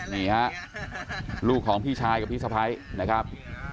นี่ฮะลูกของพี่ชายกับพี่สะพ้ายนะครับ